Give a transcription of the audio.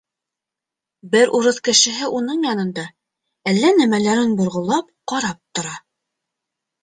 Бер урыҫ кешеһе уның янында, әллә нәмәләрен борғолап, ҡарап тора.